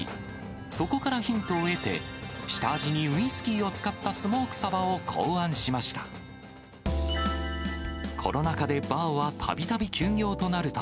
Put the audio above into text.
そこからヒントを得て、下味にウイスキーを使ったスモークサバを考案しました。